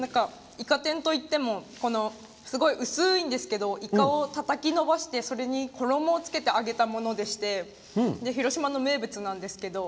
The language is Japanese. イカ天といってもすごい薄いんですけどイカをたたき伸ばしてそれに衣をつけて揚げたものでして広島の名物なんですけど。